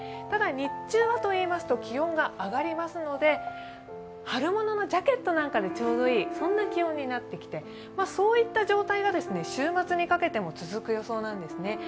ただ、日中はといいますと気温が上がりますので春物のジャケットなんかがちょうどいい、そんな気温になってきてそういった状態が週末にかけても続く予想なんですね。